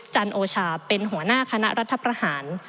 จันโอชาเป็นหัวหน้าคณะรัฐประหาร